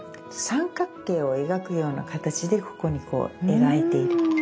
三角形を描くような形でここにこう描いている。